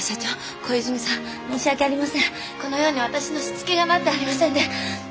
このように私のしつけがなっておりませんで。